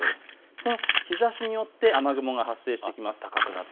その日ざしによって雨雲が発生してきます。